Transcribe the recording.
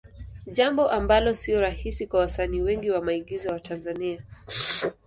Jambo ambalo sio rahisi kwa wasanii wengi wa maigizo wa Tanzania.